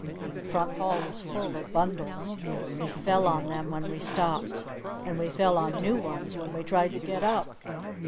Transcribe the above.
The front hall was full of bundles! We fell on them when we stepped. And we fell on new ones when we tried to get up.